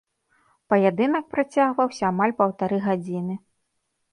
Паядынак працягваўся амаль паўтары гадзіны.